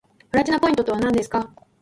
プラチナポイントとはなんですか